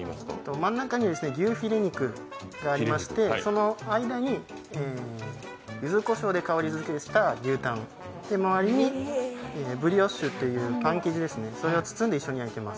真ん中に牛フィレ肉がありましてその間にゆずこしょうで香りづけした牛タンまわりにブリオッシュというパン生地で包んで焼いてます。